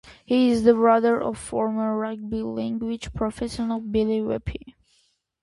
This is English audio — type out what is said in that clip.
He is the brother of former rugby league professional Billy Weepu.